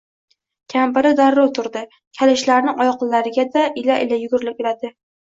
Kampiri darrov turdi. Kalishlarini oyokdariga ila-ila yugurgiladi.